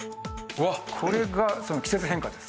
これが季節変化です。